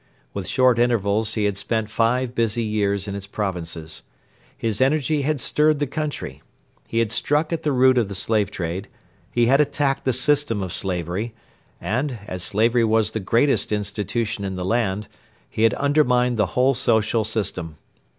With short intervals he had spent five busy years in its provinces. His energy had stirred the country. He had struck at the root of the slave trade, he had attacked the system of slavery, and, as slavery was the greatest institution in the land, he had undermined the whole social system.